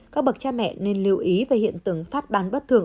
các bậc cha mẹ nên lưu ý về hiện tưởng phát ban bất thường